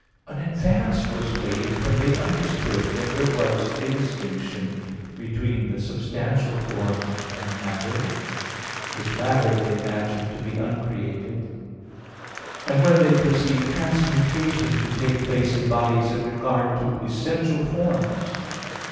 An advance was made when they understood that there was a distinction between the substantial form and matter, which latter they imagined to be uncreated, and when they perceived transmutation to take place in bodies in regard to essential forms.